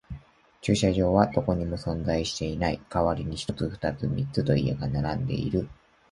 駐車場はどこにも存在していない。代わりに一つ、二つ、三つと家が並んでいる。